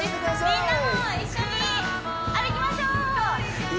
みんなも一緒に歩きましょう！